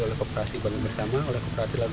kita bikin perajinan perajinannya kita jual